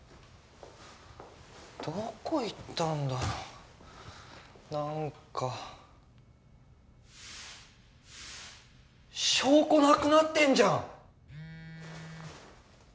どこ行ったんだろ何か証拠なくなってんじゃん！